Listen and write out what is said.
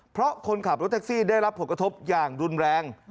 เพราะคนขับรถแท็กซี่ได้รับผลกระทบอย่างรุนแรง